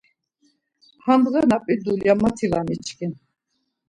Handğa na p̌i dulya, mati var miçkin.